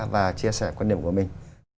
và chia sẻ quan điểm của mình